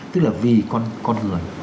tức là vì con người